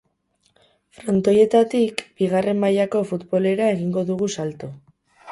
Frontoietatik bigarren mailako futbolera egingo dugu salto.